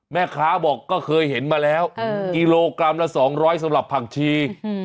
แม่ค้าบอกก็เคยเห็นมาแล้วกิโลกรัมละสองร้อยสำหรับผักชี